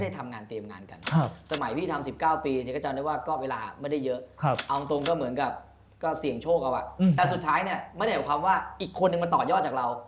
แต่สุดท้ายไม่ได้มีความว่าอีกคนมาต่อยอดจากเรา